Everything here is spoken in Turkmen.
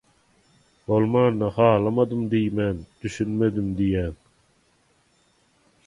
Bolmanda «halamadym» diýmän, «düşünmedim» diýýäň.